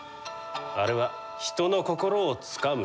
あれは人の心をつかむ天才じゃ。